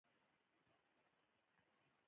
لاسونه خوراک کوي